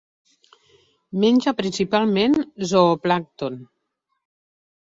Menja principalment zooplàncton.